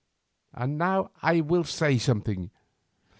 And now I will say something.